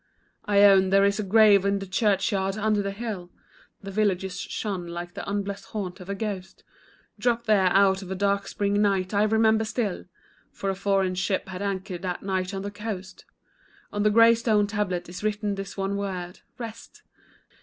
Ione, there is a grave in the churchyard under the hill, The villagers shun like the unblest haunt of a ghost, Dropped there out of a dark spring night, I remember still, For a foreign ship had anchored that night on the coast; On the gray stone tablet is written this one word "Rest."